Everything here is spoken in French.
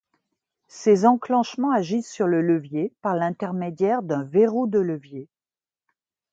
Ces enclenchements agissent sur le levier par l'intermédiaire d'un verrou de levier.